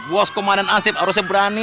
bos komandan ansip harusnya berani